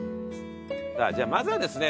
じゃあまずはですね